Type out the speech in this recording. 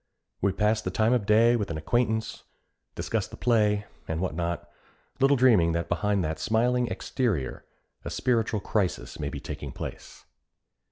We pass the time of day with an acquaintance, discuss the play, and what not, little dreaming that behind that smiling exterior a spiritual crisis may be taking place.